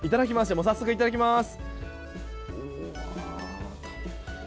早速いただきます。